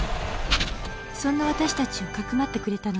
そんな私たちをかくまってくれたのは